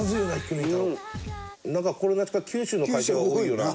なんか心なしか九州の会社が多いような。